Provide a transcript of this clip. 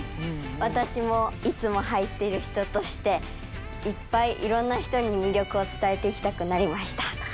私もいつも履いてる人としていっぱいいろんな人に魅力を伝えていきたくなりました。